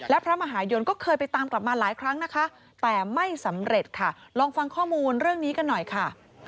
และพระมหายนก็เคยไปตามกลับมาหลายครั้งนะคะแต่ไม่สำเร็จค่ะลองฟังข้อมูลเรื่องนี้กันหน่อยค่ะ